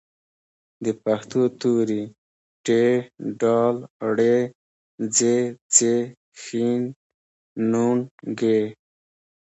د پښتو توري: ټ، ډ، ړ، ځ، څ، ښ، ڼ، ږ